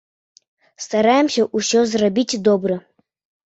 Стараемся ўсё зрабіць добра.